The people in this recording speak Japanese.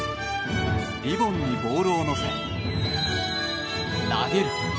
リボンにボールを乗せ投げる！